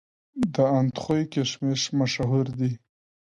د اندخوی کشمش مشهور دي